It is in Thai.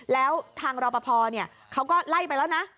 แล้วทางรอปภเขาก็ไล่ไปแล้วนะ